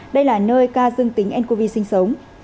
đây là nơi ca dương tính ncov sinh sống